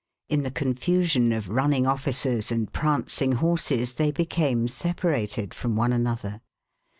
In the confusion of running officers and prancing horses they became separated from one another.